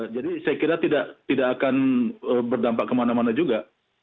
jadi saya kira tidak akan berdampak kemana mana juga